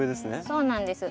そうなんです。